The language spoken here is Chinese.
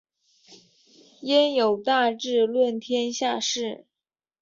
焉有大智论天下事！